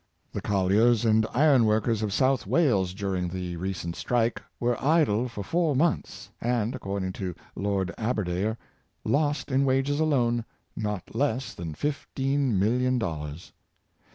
The colliers and iron workers of South Wales, during the recent strike, were idle for four months, and, according to Lord Aberdare, lost, in wages alone, not less than fifteen million dollars.